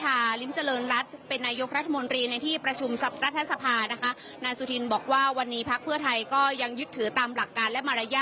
ถูกต้องครับไม่มีอะไรไม่มีเหตุผลใดต้องเปลี่ยนนะครับ